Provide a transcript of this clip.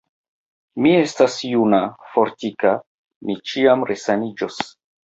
Mi estas juna, fortika; mi ĉiam resaniĝos.